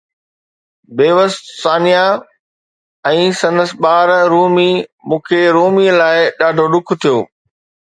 بيوس ثانيه ۽ سندس ٻار رومي، مون کي رومي لاءِ ڏاڍو ڏک ٿيو